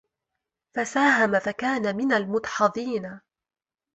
فَساهَمَ فَكانَ مِنَ المُدحَضينَ